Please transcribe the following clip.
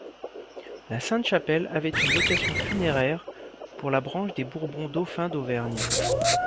La Sainte-Chapelle avait une vocation funéraire pour la branche des Bourbons, dauphins d'Auvergne.